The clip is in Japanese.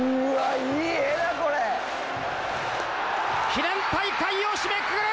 記念大会を締めくくる！